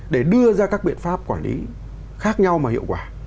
để đưa ra các biện pháp quản lý khác nhau mà hiệu quả